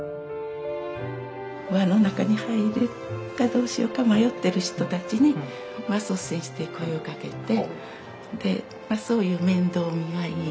輪の中に入るかどうしようか迷ってる人たちに率先して声をかけてでそういう面倒見がいいっていうか。